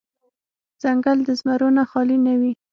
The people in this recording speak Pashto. ـ ځنګل د زمرو نه خالې نه وي.